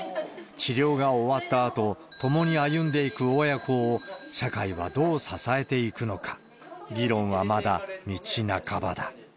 治療が終わったあと、共に歩んでいく親子を、社会はどう支えていくのか、議論はまだ道半ばだ。